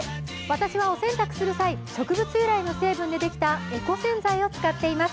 私はお洗濯する際、植物由来の成分でできたエコ洗剤を使っています。